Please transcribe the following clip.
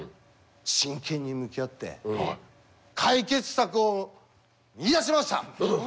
真剣に向き合って解決策を見いだしました。